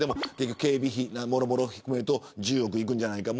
警備費もろもろ含めると１０億いくんじゃないか。